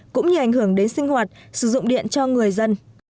cũng như ảnh hưởng đến sinh hoạt sử dụng điện cho người dân